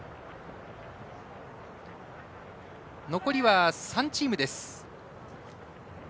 残りは３チームです。